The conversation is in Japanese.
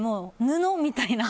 布みたいな。